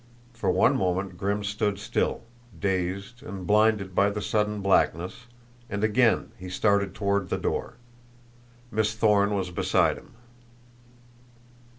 For one moment Grimm stood still, dazed and blinded by the sudden blackness, and again he started toward the door. Miss Thorne was beside him.